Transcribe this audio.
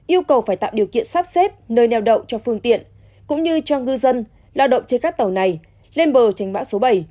yêu cầu phải tạo điều kiện sắp xếp nơi neo đậu cho phương tiện cũng như cho ngư dân lao động trên các tàu này lên bờ tránh bão số bảy